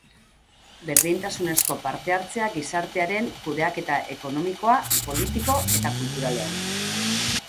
Berdintasunezko parte-hartzea gizartearen kudeaketa ekonomikoa, politiko eta kulturalean.